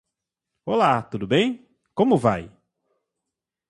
Olá! Tudo bem? Como vai?